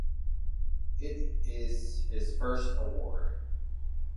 It is his first award.